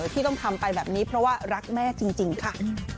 ที่ต้องทำไปแบบนี้เพราะว่ารักแม่จริงค่ะ